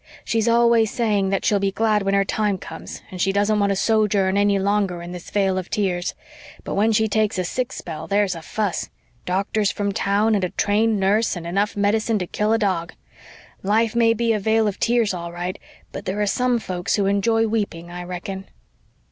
She's always saying that she'll be glad when her time comes, and she doesn't want to sojourn any longer in this vale of tears. But when she takes a sick spell there's a fuss! Doctors from town, and a trained nurse, and enough medicine to kill a dog. Life may be a vale of tears, all right, but there are some folks who enjoy weeping, I reckon."